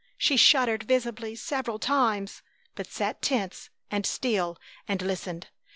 She shuddered visibly several times, but sat tense and still and listened.